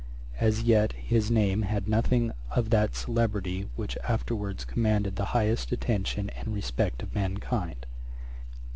As yet, his name had nothing of that celebrity which afterwards commanded the highest attention and respect of mankind.